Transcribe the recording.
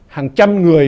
hàng trăm người